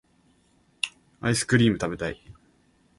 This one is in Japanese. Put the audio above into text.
アイスクリームたべたい